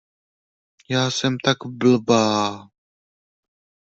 Já jsem tak blbá!